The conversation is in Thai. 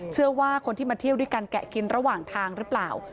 เชื่อว่าคนที่มาเที่ยวด้วยกันแกะกินระหว่างทางหรือเปล่า